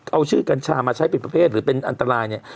เอาชื่อกัญชามาใช้เป็นประเภทหรือเป็นอันตรายเนี่ย